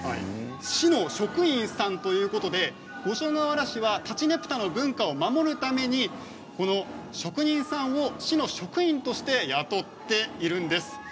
市の職員さんということで五所川原市はたちねぷたの文化を守るために職人さんを市の職員として雇っているんです。